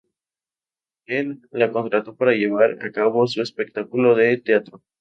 Él la contrató para llevar a cabo su espectáculo de teatro.